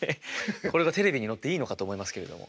これがテレビに乗っていいのかと思いますけれども。